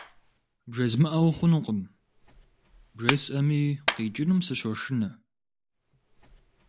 БжезмыӀэу хъунукъым, бжесӀэми къикӀынум сыщошынэ.